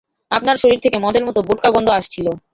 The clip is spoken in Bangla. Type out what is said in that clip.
আপনার শরীর থেকে মদের মতো বোটকা গন্ধ আসছিলো।